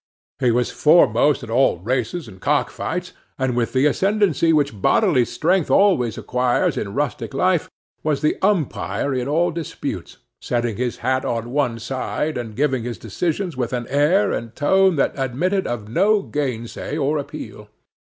He was foremost at all races and cock fights; and, with the ascendancy which bodily strength always acquires in rustic life, was the umpire in all disputes, setting his hat on one side, and giving his decisions with an air and tone that admitted of no gainsay or appeal.